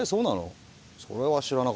それは知らなかったなぁ。